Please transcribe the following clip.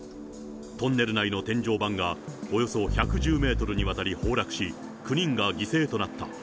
トンネル内の天井板がおよそ１１０メートルにわたり崩落し、９人が犠牲となった。